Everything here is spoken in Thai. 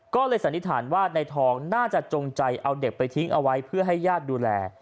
ก็เลยสันนิษฐานว่าในทองน่าจะจงใจเอาเด็กไปทิ้งเอาไว้เพื่อให้ญาติดูแล